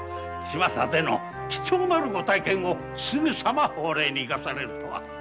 巷での貴重なるご体験をすぐさま法令に生かされるとは。